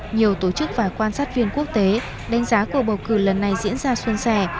nhiều tổ chức và quan sát viên quốc tế đánh giá cuộc bầu cử lần này diễn ra xuân xẻ